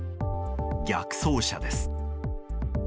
逆走車です。